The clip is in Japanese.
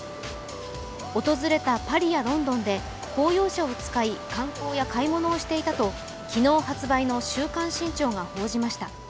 訪れたパリやロンドンで、公用車を使い観光や買い物をしていたと昨日発売の「週刊新潮」が報じました。